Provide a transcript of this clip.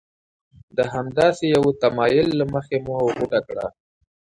د همداسې یوه تمایل له مخې مو غوټه کړه.